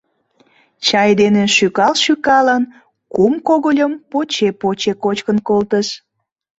— Чай дене шӱкал-шӱкалын, кум когыльым поче-поче кочкын колтыш.